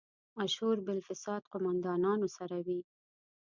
مشهور بالفساد قوماندانانو سره وي.